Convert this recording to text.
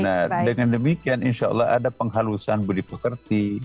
nah dengan demikian insya allah ada penghalusan budi pekerti